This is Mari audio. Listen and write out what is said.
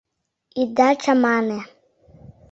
Ида чамане.